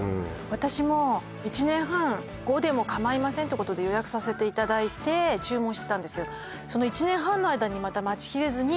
私も１年半後でもかまいませんってことで予約させていただいて注文してたんですけど